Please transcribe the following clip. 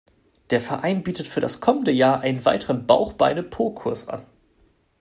Der Verein bietet für das kommende Jahr einen weiteren Bauch-Beine-Po-Kurs an.